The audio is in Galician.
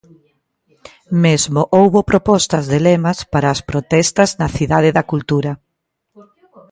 Mesmo houbo propostas de lemas para as protestas na Cidade da Cultura.